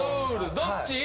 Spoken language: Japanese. どっち？